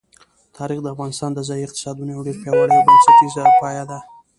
تاریخ د افغانستان د ځایي اقتصادونو یو ډېر پیاوړی او بنسټیز پایایه دی.